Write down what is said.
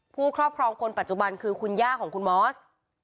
ครอบครองคนปัจจุบันคือคุณย่าของคุณมอส